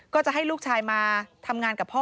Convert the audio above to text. ก็จะให้ลูกชายมาทำงานกับพ่อ